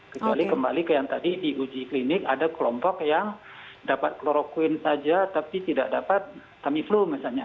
kecuali kembali ke yang tadi di uji klinik ada kelompok yang dapat kloroquine saja tapi tidak dapat tamiflu misalnya